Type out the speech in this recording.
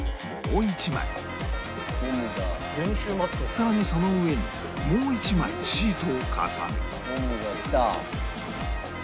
さらにその上にもう１枚シートを重ねゴムがきた。